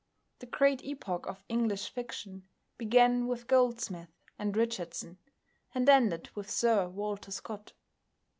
The great epoch of English fiction began with Goldsmith and Richardson, and ended with Sir Walter Scott.